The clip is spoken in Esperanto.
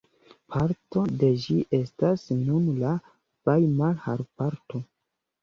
Parto de ĝi estas nun la Vajmarhaloparko.